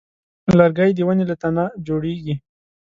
لرګی د ونې له تنه جوړېږي.